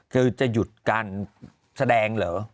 คือจะหยุดการแสดงเหรอ